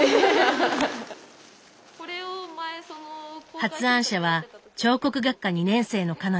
発案者は彫刻学科２年生の彼女。